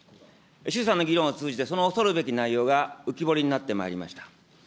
衆参の議論を通じて、その恐るべき内容が浮き彫りになってまいりました。